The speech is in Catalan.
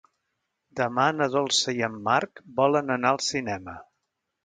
Demà na Dolça i en Marc volen anar al cinema.